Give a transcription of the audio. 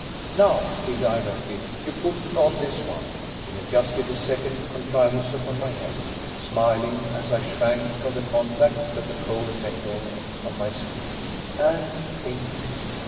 "Now," he directed, "you put on this one" he adjusted a second contrivance upon my head, smiling as I shrank from the contact of the cold metal on my skin "and think!"